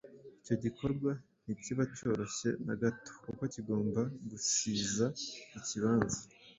Icyo gikorwa ntikiba cyoroshye na gato kuko kigomba gusiza ikibanza,